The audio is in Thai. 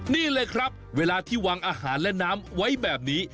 นี่เลยครับเวลาที่วางอาหารและน้ำไว้แบบนี้